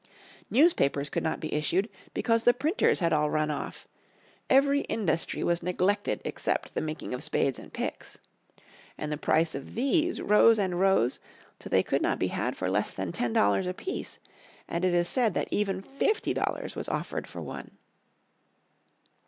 Newspapers could not be issued, because the printers had all run off; every industry was neglected except the making of spades and picks. And the price of these rose and rose till they could not be had for less than ten dollars apiece, and it is said that even fifty dollars was offered for one.